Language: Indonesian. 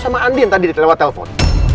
sama andi yang tadi di lewat telepon